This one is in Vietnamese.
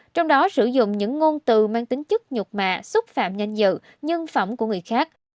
trong đó sử dụng những ngôn từ mang tính chất nhục mạ xúc phạm danh dự nhân phẩm của người khác